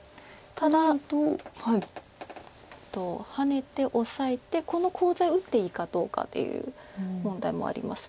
ただハネてオサえてこのコウ材打っていいかどうかっていう問題もあります。